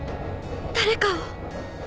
誰かを。